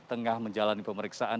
tengah menjalani pemeriksaan